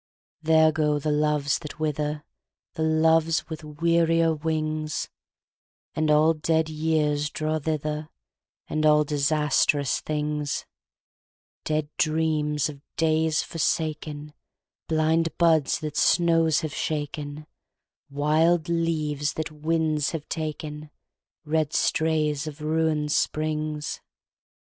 There go the loves that wither, The old loves with wearier wings; And all dead years draw thither, And all disastrous things; Dead dreams of days forsakenBlind buds that snows have shaken, Wild leaves that winds have taken, Red strays of ruined springs.